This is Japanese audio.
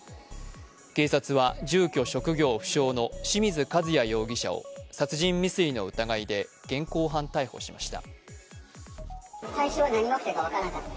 警察は住居・職業不詳の清水和也容疑者を殺人未遂の疑いで現行犯逮捕しました。